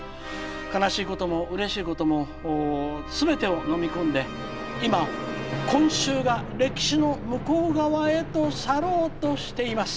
悲しいこともうれしいことも全てをのみ込んで今今週が歴史の向こう側へと去ろうとしています。